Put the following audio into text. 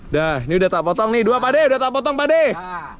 dah ini udah tak potong nih dua pak deh udah tak potong pak deh